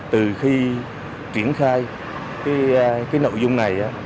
từ khi triển khai cái nội dung này